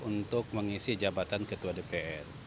untuk mengisi jabatan ketua dpr